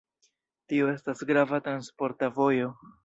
Tio estas grava transporta vojo.